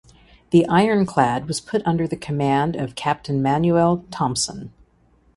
The ironclad was put under the command of Captain Manuel Thomson.